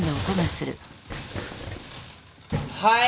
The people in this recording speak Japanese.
はい。